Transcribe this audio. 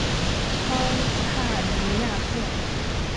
康帕尼亚克。